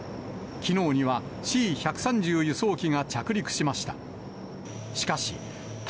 きのうにはＣー１３０輸送機が着陸しました。